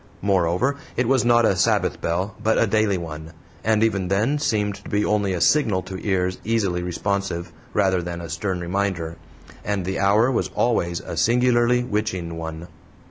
Moreover, it was not a "Sabbath" bell, but a DAILY one, and even then seemed to be only a signal to ears easily responsive, rather than a stern reminder. And the hour was always a singularly witching one.